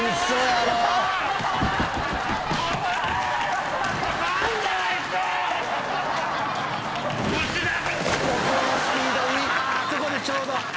そこでちょうど。